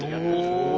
お。